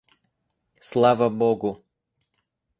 Слава Богу.